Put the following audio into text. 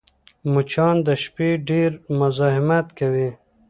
مچان د شپې ډېر مزاحمت کوي